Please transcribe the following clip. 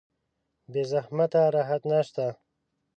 بې زحمته راحت نشته.